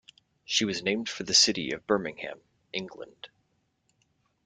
She was named for the city of Birmingham, England.